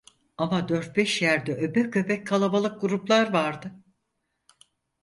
Ama dört beş yerde öbek öbek kalabalık gruplar vardı.